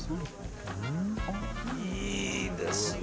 いいですね。